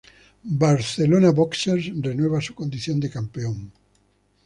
Barcelona Boxers renueva su condición de campeón.